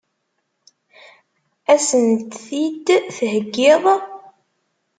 Ad sent-t-id-theggiḍ?